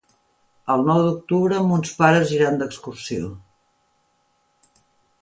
El nou d'octubre mons pares iran d'excursió.